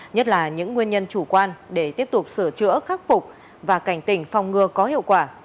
nhất là những nguyên nhân chủ quan để tiếp tục sửa chữa khắc phục và cảnh tỉnh phòng ngừa có hiệu quả